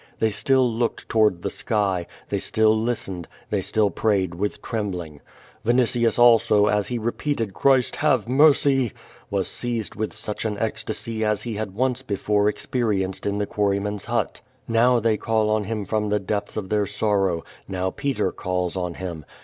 They still looked toward the sky; they still listened; they still i)rayed with trembling. Vinitius also, as he repeated "Christ have mercy!" was seized with such an ecstasy as ho had once before experienced in the quarryman's hut. Now they call on Him from the depths of their sorrow; now Peter calls on Him.